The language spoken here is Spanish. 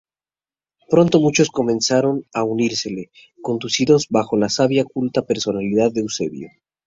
Pronto muchos comenzaron a unírsele, conducidos bajo la sabia y culta personalidad de Eusebio.